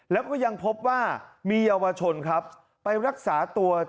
แล้วก็ยังพบว่ามีเยาวชนครับไปรักษาตัว